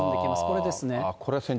これですね。